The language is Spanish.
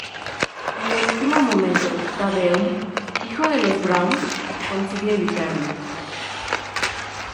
En el último momento, Tedeum, hijo de los Brown, consigue evitarlo.